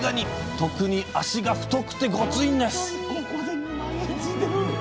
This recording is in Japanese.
特に脚が太くてゴツいんです！